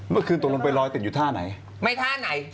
เมื่อคืนตกลงไปลอยติดที่ท่าไหนไม่ท่าไหน